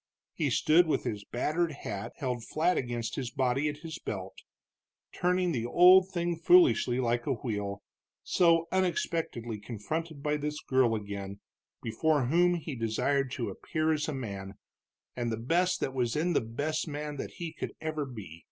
He stood with his battered hat held flat against his body at his belt, turning the old thing foolishly like a wheel, so unexpectedly confronted by this girl again, before whom he desired to appear as a man, and the best that was in the best man that he could ever be.